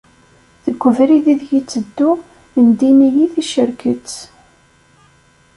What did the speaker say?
Deg ubrid ideg ttedduɣ, ndin-iyi ticerket.